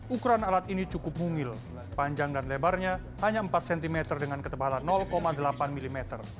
ukuran alat ini cukup mungil panjang dan lebarnya hanya empat cm dengan ketebalan delapan mm